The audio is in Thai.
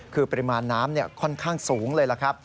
คือปริมาณน้ำค่อนข้างสูงเลย